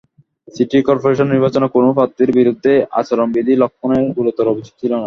City corporation নির্বাচনে কোনো প্রার্থীর বিরুদ্ধেই আচরণবিধি লঙ্ঘনের গুরুতর অভিযোগ ছিল না।